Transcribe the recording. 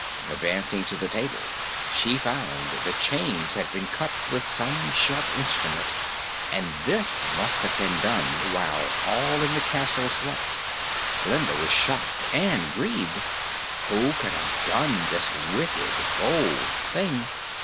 Advancing to the table, she found the chains had been cut with some sharp instrument, and this must have been done while all in the castle slept. Glinda was shocked and grieved. Who could have done this wicked, bold thing?